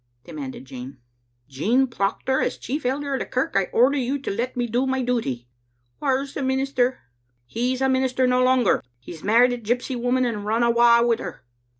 demanded Jean. " Jean Proctor, as chief elder of the kirk I order you to let me do my duty." " Whaur's the minister?" " He's a minister no longer. He's married a gypsy woman and run awa wi' her."